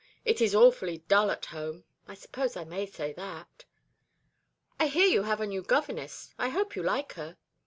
It is awfully dull at home. I suppose I may say that?" "I hear you have a new governess. I hope you like her?"